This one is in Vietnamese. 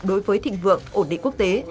đối với thịnh vượng ổn định quốc tế